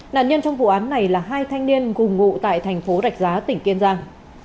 nạn nhân trong vụ án này là hai thanh niên cùng ngụ tại tp rạch giá tỉnh kiên giang